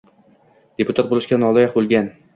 deputat bo‘lishga noloyiq bo‘lgan